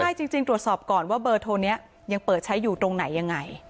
ใช่จริงตรวจสอบก่อนว่าเบอร์โทรนี้ยังเปิดใช้อยู่ตรงไหนยังไง